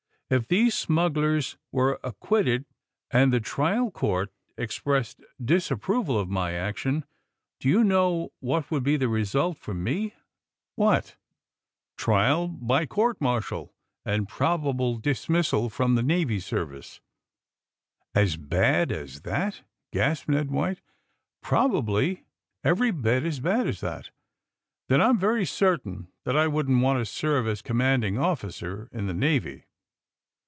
*^If these smugglers were acquitted, and the trial court expressed disapproval of my action, do you know what would be the result for me ?'' 224 THE SUBMAEINE BOYS "^' Trial by court martial, and probable dismi^^ sal from the Navy service!" *'As bad as tbatf gasped Ned White. *' Probably every bit as bad as that." ^'Then I'm very certain tliat I wouldn't want to serve as commanding officer in the Navy!"